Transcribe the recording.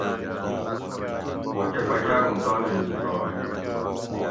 ماکہ پکاۤر اوں تانی لوکوٹور